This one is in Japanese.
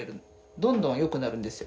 どんどんよくなるんですよ。